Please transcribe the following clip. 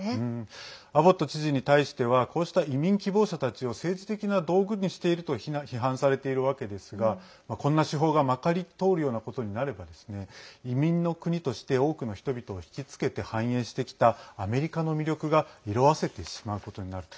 アボット知事に対してはこうした移民希望者たちを政治的な道具にしていると批判されているわけですがこんな手法がまかり通るようなことになれば移民の国として多くの人々を引き付けて繁栄してきたアメリカの魅力が色あせてしまうことになる。